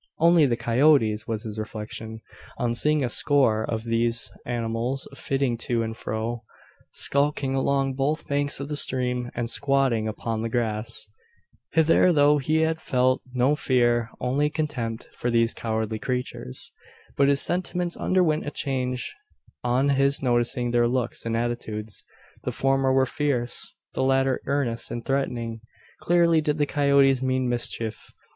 "Only the coyotes!" was his reflection, on seeing a score of these animals flitting to and fro, skulking along both banks of the stream, and "squatting" upon the grass. Hitherto he had felt no fear only contempt for these cowardly creatures. But his sentiments underwent a change, on his noticing their looks and attitudes. The former were fierce; the latter earnest and threatening. Clearly did the coyotes mean mischief.